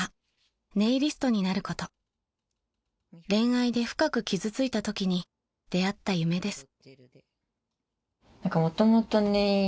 ［恋愛で深く傷ついたときに出合った夢です］